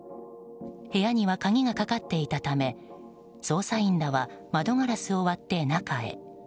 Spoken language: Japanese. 部屋には鍵がかかっていたため捜査員らは窓ガラスを割って中へ。